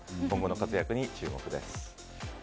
今後の活躍に注目です。